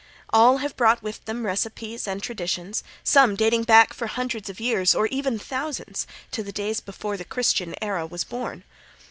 All have brought with them recipes and traditions, some dating back for hundreds of years, or even thousands, to the days before the Christian Era was born.